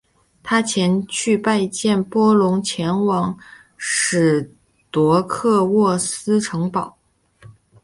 他前去拜见波隆前往史铎克渥斯城堡。